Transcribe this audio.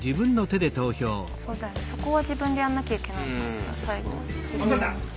そこは自分でやんなきゃいけないのかしら最後は。